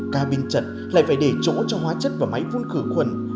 ca binh trận lại phải để chỗ cho hóa chất và máy phun khử khuẩn